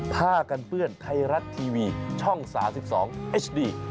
ผ้ากันเปื้อนไทยรัฐทีวีช่อง๓๒เอชดี